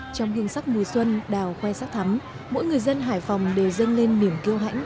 trong hương sắc mùa xuân đào khoe sắc thắm mỗi người dân hải phòng đều dâng lên niềm kiêu hãnh